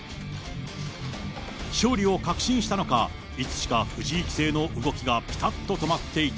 勝利を確信したのか、いつしか藤井棋聖の動きがぴたっと止まっていた。